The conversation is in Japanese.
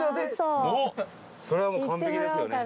それはもう完璧ですよね。